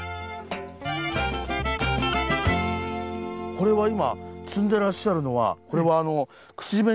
これは今摘んでらっしゃるのはこれはあの口紅の原料に？